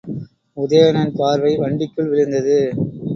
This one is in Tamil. உதயணன் பார்வை வண்டிக்குள் விழுந்தது.